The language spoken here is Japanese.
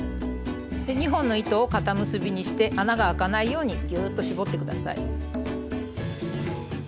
２本の糸を固結びにして穴があかないようにぎゅっと絞って下さい。